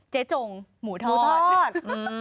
เจ๊จงหมูทอด